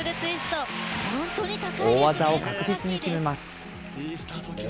大技を確実に決めます。